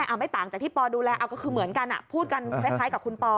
ไม่ต่างจากที่ปอดูแลเอาก็คือเหมือนกันพูดกันคล้ายกับคุณปอ